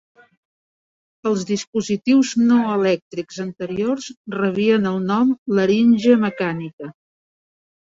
Els dispositius no elèctrics anteriors rebien el nom laringe mecànica.